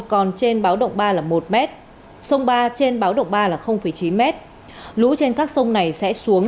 còn trên báo động ba là một m sông ba trên báo động ba là chín m lũ trên các sông này sẽ xuống